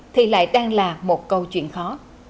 thì lại đang là một câu chuyện khó